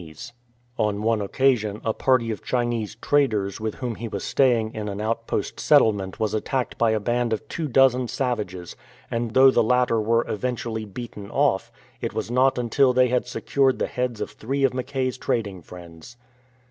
71 THE MOUNTAIN HEAD HUNTERS On one occasion a party of Chinese traders with whom he was staying in an outpost settlement was attacked by a band of two dozen savages; and though the latter were eventually beaten off, it was not till they had secured the heads of three of Mackay"'s trading friends.